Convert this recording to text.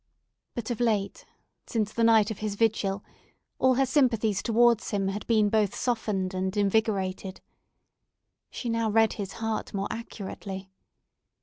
But of late, since the night of his vigil, all her sympathies towards him had been both softened and invigorated. She now read his heart more accurately.